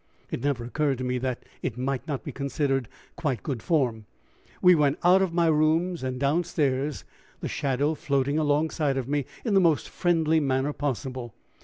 It never occurred to me that it might not be considered quite good form. We went out of my rooms and downstairs, the shadow floating alongside of me in the most friendly manner possible.